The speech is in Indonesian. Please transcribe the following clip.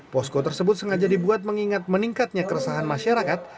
posko tersebut sengaja dibuat mengingat meningkatnya keresahan masyarakat